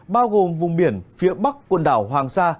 bao gồm vùng biển phía bắc quần đảo hoàng sa